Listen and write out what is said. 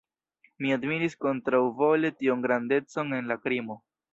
Mi admiris kontraŭvole tiun grandecon en la krimo.